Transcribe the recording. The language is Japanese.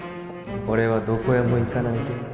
俺はどこへも行かないぜ